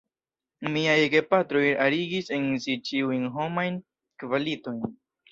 Miaj gepatroj arigis en si ĉiujn homajn kvalitojn.